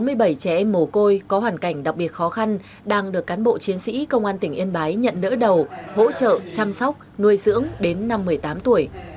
trong bốn mươi bảy trẻ em mồ côi có hoàn cảnh đặc biệt khó khăn đang được cán bộ chiến sĩ công an tỉnh yên bái nhận đỡ đầu hỗ trợ chăm sóc nuôi dưỡng đến năm một mươi tám tuổi